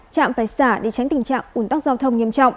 trạm phải xả để tránh tình trạng ủn tắc giao thông nghiêm trọng